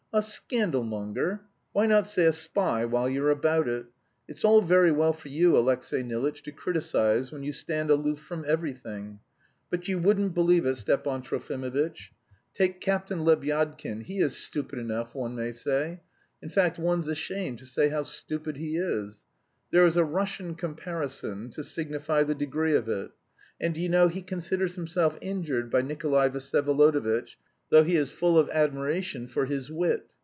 "A scandal monger! Why not say a spy while you're about it? It's all very well for you, Alexey Nilitch, to criticise when you stand aloof from everything. But you wouldn't believe it, Stepan Trofimovitch take Captain Lebyadkin, he is stupid enough, one may say... in fact, one's ashamed to say how stupid he is; there is a Russian comparison, to signify the degree of it; and do you know he considers himself injured by Nikolay Vsyevolodovitch, though he is full of admiration for his wit.